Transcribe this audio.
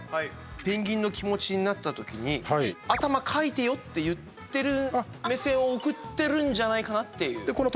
ペンギンの気持ちになったときに頭かいてよって言ってる目線を送ってるんじゃないかなっていう。